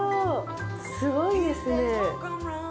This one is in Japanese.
すごいですね。